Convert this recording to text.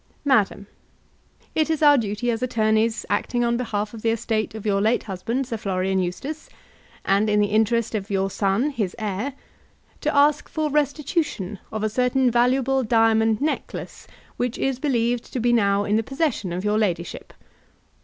MADAM, It is our duty as attorneys acting on behalf of the estate of your late husband Sir Florian Eustace, and in the interest of your son, his heir, to ask for restitution of a certain valuable diamond necklace which is believed to be now in the possession of your ladyship.